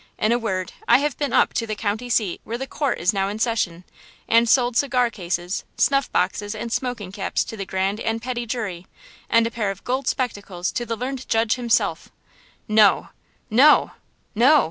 In a word, I have been up to the county seat where the court is now in session, and sold cigar cases, snuff boxes and smoking caps to the grand and petit jury, and a pair of gold spectacles to the learned judge himself!" "No!" "No!!" "No!!!"